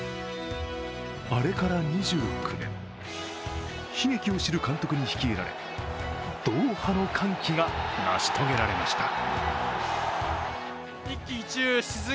あれから２９年、悲劇を知る監督に率いられドーハの歓喜が成し遂げられました。